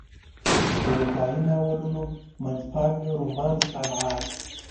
اروپایي ناولونو منځپانګه رومانس رانغاړي.